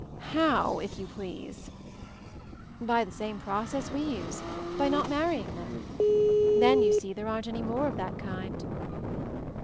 How, if you please?" 'By the same process we use — by not mar rying them. Then, you see, there aren't any more of that kind."